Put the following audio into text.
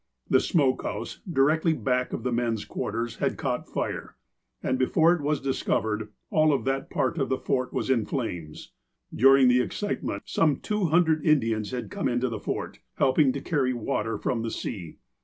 The smoke house, directly back of the men's quarters, had caught fire, and, before it was discovered, all of that part of the Fort was in flames. During the excitement, some two hundred Indians had come into the Fort, helping to carry water from the sea.